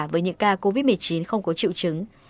với những ca covid một mươi chín không có triệu chứng